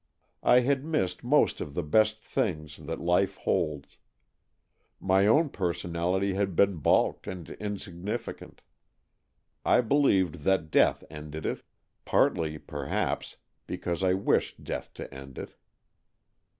I had missed most of the best things that life holds. My own personality had been baulked and insignificant. I believed that death ended it, partly, perhaps, because I wished death to end it.